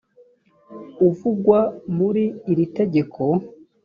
uvugwa muri iri tegeko